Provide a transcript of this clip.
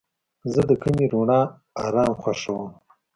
زه د کمې رڼا آرام خوښوم.